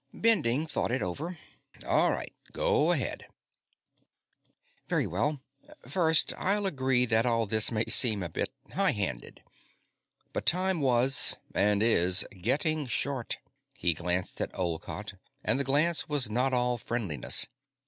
Bending thought it over. "All right. Go ahead." "Very well. First, I'll agree that all this may seem a bit high handed. But time was and is getting short." He glanced at Olcott, and the glance was not all friendliness.